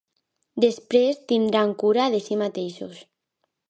Després tindran cura de si mateixos.